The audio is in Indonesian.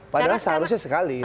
padahal seharusnya sekali